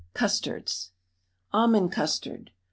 CUSTARDS ALMOND CUSTARD.